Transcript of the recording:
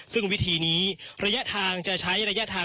ซึ่งวิธีงี้ลัยทาง๑๘๙๐ไบเตอร์